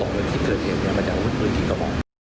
หรือที่เกิดเห็นมาจากพุทธปืนที่เขาบอก